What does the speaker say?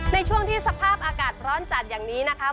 ในช่วงที่สภาพอากาศร้อนจัดอย่างนี้นะคะ